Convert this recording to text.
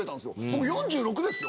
僕４６ですよ。